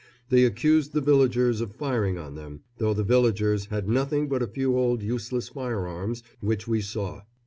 They accused the villagers of firing on them though the villagers had nothing but a few old useless firearms, which we saw.